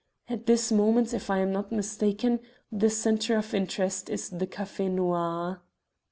At this moment, if I am not mistaken, the centre of interest is the Café Noir."